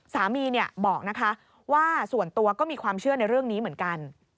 สามีบอกนะคะว่าส่วนตัวก็มีความเชื่อในเรื่องนี้เหมือนกัน